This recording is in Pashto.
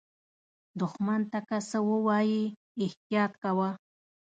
دښمن ته که څه ووایې، احتیاط کوه